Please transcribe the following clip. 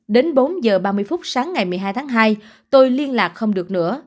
đến bốn h ba mươi phút sáng ngày một mươi hai tháng hai tôi liên lạc không được nữa